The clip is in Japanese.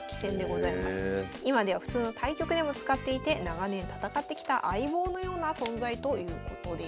今では普通の対局でも使っていて長年戦ってきた相棒のような存在ということです。